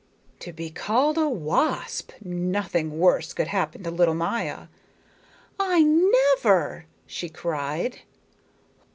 To be called a wasp! Nothing worse could happen to little Maya. "I never!" she cried.